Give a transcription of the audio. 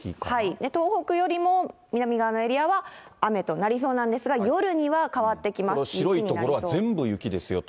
東北よりも南側のエリアは雨となりそうなんですが、夜には変白い所は全部雪ですよと。